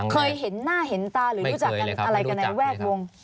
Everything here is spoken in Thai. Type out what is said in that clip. เคยเห็นหน้าเห็นตาหรือรู้จักกันอะไรกันในแวดวง